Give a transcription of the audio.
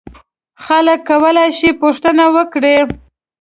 خلک کولای شي پوښتنه وکړي.